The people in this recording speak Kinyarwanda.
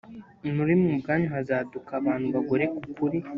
muri mwe ubwanyu hazaduka abantu bagoreka ukuri